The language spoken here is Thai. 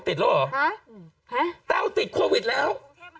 กล้องกว้างอย่างเดียว